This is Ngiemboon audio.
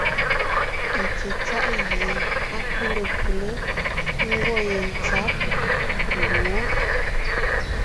Atsetsáʼ gie á pʉ́le pʉlé, ńgwɔ́ yentsǎb mboŋó.